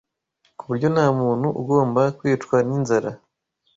ku buryo nta muntu ugomba kwicwa n’inzara.